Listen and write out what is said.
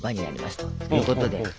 ということで。